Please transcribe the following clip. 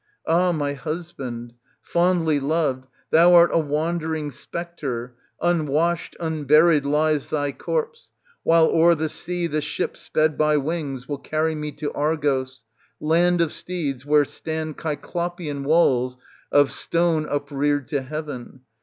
Ah ! my husband, fondly loved, thou art a wandering spectre ; unwashed, un buried lies thy corpse, while o'er the sea the ship sped by wings will carry me to Argos, land of steeds, where stand Cyclopian walls of stone upreared to heaven.